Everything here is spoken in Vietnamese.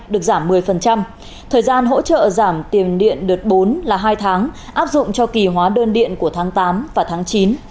được giảm một mươi thời gian hỗ trợ giảm tiền điện đợt bốn là hai tháng áp dụng cho kỳ hóa đơn điện của tháng tám và tháng chín